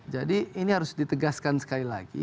jadi ini harus ditegaskan sekali lagi